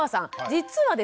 実はですね